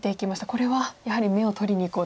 これはやはり眼を取りにいこうと。